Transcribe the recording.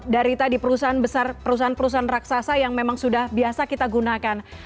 dari tadi perusahaan besar perusahaan perusahaan raksasa yang memang sudah biasa kita gunakan